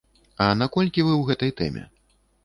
А наколькі вы ў гэтай тэме?